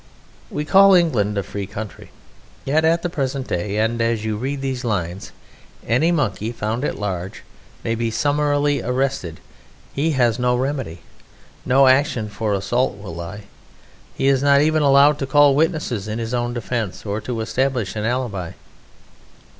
We call England a free country, yet at the present day and as you read these lines, any Monkey found at large may be summarily arrested. He has no remedy; no action for assault will lie. He is not even allowed to call witnesses in his own defence, or to establish an alibi.